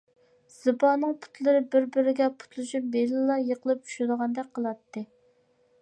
زىبانىڭ پۇتلىرى بىر-بىرىگە پۇتلىشىپ ھېلىلا يىقىلىپ چۈشىدىغاندەك قىلاتتى.